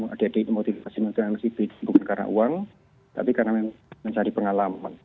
adik adik itu motivasi mengikuti mscp bukan karena uang tapi karena mencari pengalaman